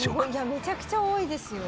「めちゃくちゃ多いですよ」